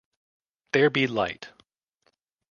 There Be Light.